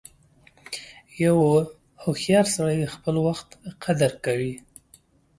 • یو هوښیار سړی د خپل وخت قدر کوي.